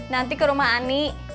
nanti ke rumah ani